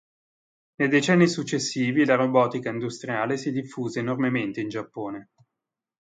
Nei decenni successivi la robotica industriale si diffuse enormemente in Giappone.